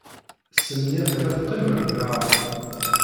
Tesmenyafem ad teqqimem, naɣ?